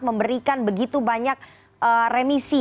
memberikan begitu banyak remisi